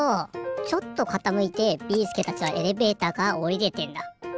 ちょっとかたむいてビーすけたちはエレベーターからおりれてんだ。